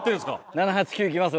７８９いきます